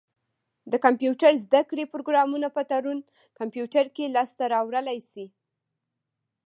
د کمپيوټر زده کړي پروګرامونه په تړون کمپيوټر کي لاسته را وړلای سی.